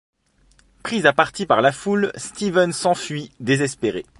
Pris à partie par la foule, Steven s'enfuit, désespéré.